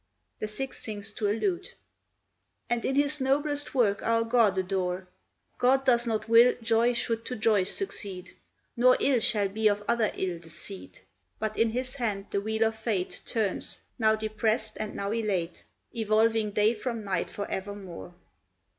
[The sixth sings to a lute.] And in his noblest work our God adore! God doth not will joy should to joy succeed, Nor ill shall be of other ill the seed; But in his hand the wheel of fate Turns, now depressed and now elate, Evolving day from night for evermore.